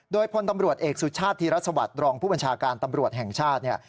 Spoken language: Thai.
โดยพลตำรวจเอกสุชาติทีรัฐสวรรค์รองผู้บัญชาการตำรวจแห่งชาติ